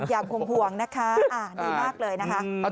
แย่ล์เข่งหวงนะคะอ่ะดีมากเลยนะคะ